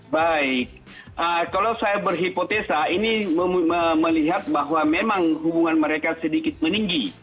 baik kalau saya berhipotesa ini melihat bahwa memang hubungan mereka sedikit meninggi